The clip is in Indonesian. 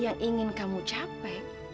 yang ingin kamu capek